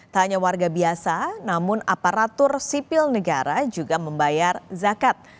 tak hanya warga biasa namun aparatur sipil negara juga membayar zakat